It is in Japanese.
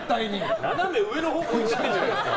斜め上の方向いっちゃってるじゃないですか。